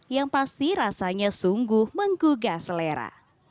yang pasti rasanya sungguh menggugah selera